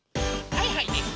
はいはいです！